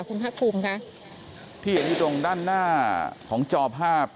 คุณภาคภูมิค่ะที่เห็นอยู่ตรงด้านหน้าของจอภาพ